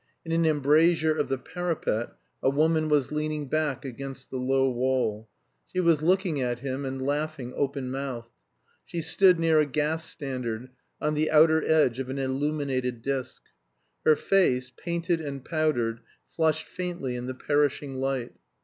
In an embrasure of the parapet a woman was leaning back against the low wall; she was looking at him, and laughing open mouthed. She stood near a gas standard, on the outer edge of an illuminated disc. Her face, painted and powdered, flushed faintly in the perishing light.